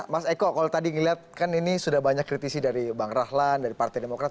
mas eko kalau tadi ngelihat kan ini sudah banyak kritisi dari bang rahlan dari partai demokrat